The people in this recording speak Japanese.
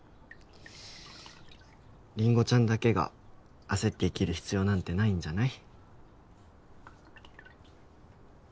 りんごちゃんだけが焦って生きる必要なんてないんじゃない？